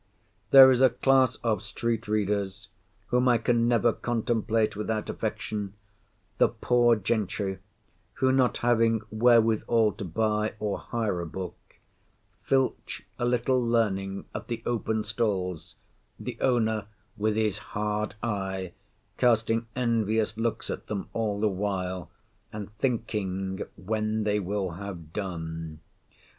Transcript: There is a class of street readers, whom I can never contemplate without affection—the poor gentry, who, not having wherewithal to buy or hire a book, filch a little learning at the open stalls—the owner, with his hard eye, casting envious looks at them all the while, and thinking when they will have done.